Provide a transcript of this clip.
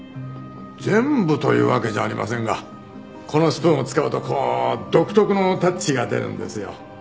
全部というわけじゃありませんがこのスプーンを使うとこう独特のタッチが出るんですよ。